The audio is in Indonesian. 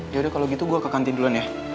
yaudah kalo gitu gue ke kantin duluan ya